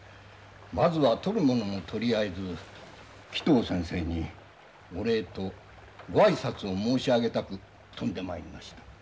まずはとるものもとりあえず鬼頭先生にお礼とごあいさつを申し上げたく飛んでまいりました。